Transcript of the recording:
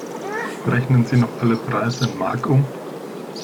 Rechnen Sie noch alle Preise in Mark um?